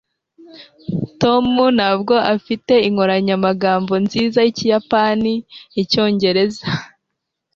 tom ntabwo afite inkoranyamagambo nziza yikiyapani-icyongereza